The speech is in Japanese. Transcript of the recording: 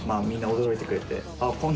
みんな驚いてくれてあっ